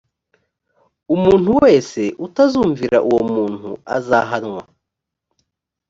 umuntu wese utazumvira uwo muntu azahanwa